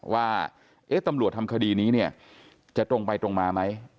ว่าตำรวจทำคดีนี้เนี่ยจะตรงไปตรงมาไหม